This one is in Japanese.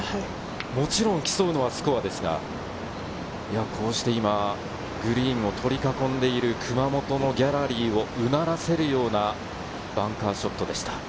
もちろん競うのはスコアですが、こうして今グリーンを取り囲んでいる熊本のギャラリーをうならせるようなバンカーショットでした。